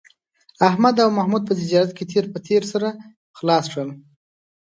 احمد او محمود په تجارت کې تېر په تېر سره خلاص کړل